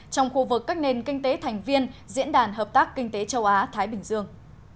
trong khu vực các nền kinh tế thành viên diễn đàn hợp tác kinh tế châu á thái bình dương